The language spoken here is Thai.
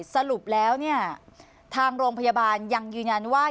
สรุปแล้วเนี่ยทางโรงพยาบาลยังยืนยันว่า